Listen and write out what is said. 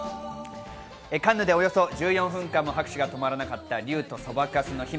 カンヌで、およそ１４分間も拍手が止まらなかった『竜とそばかすの姫』。